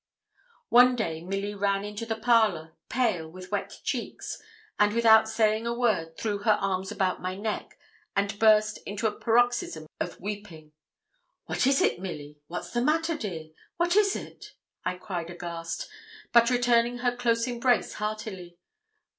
One day Milly ran into the parlour, pale, with wet cheeks, and, without saying a word, threw her arms about my neck, and burst into a paroxysm of weeping. 'What is it, Milly what's the matter, dear what is it?' I cried aghast, but returning her close embrace heartily.